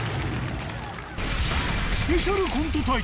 スペシャルコント対決。